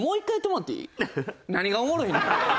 何がおもろいねん！